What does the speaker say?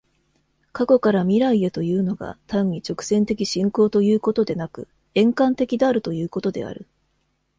過去から未来へというのが、単に直線的進行ということでなく、円環的であるということである。